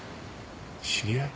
知り合い？